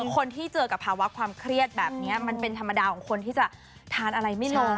คนที่เจอกับภาวะความเครียดแบบนี้มันเป็นธรรมดาของคนที่จะทานอะไรไม่ลง